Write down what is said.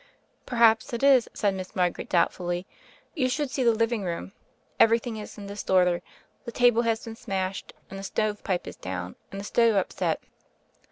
"Perhaps it is," said Miss Margaret doubt fully. "You should see the living room. Everything is in disorder, the table has been smashed, and the stove pipe is down and the stove upset."